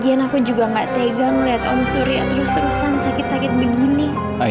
aku akan menanggung semua akibatnya